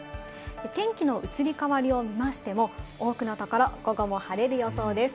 天気の移り変わりを見ましても多くの所、午後も晴れる予想です。